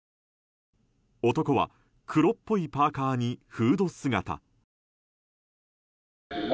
男は黒っぽいパーカにフード姿。